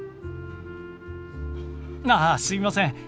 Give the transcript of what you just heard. ああすみません。